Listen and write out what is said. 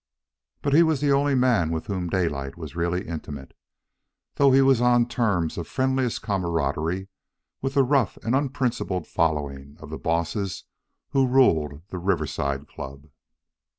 But he was the only man with whom Daylight was really intimate, though he was on terms of friendliest camaraderie with the rough and unprincipled following of the bosses who ruled the Riverside Club.